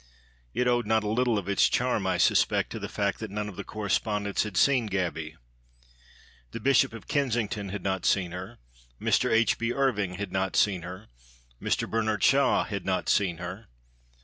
It owed not a little of its charm, I suspect, to the fact that none of the correspondents had seen Gaby. The Bishop of Kensington had not seen her; Mr H. B. Irving had not seen her; Mr Bernard Shaw had not seen her.